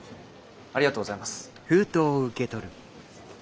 ありがとうございます。